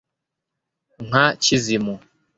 Nka kizimu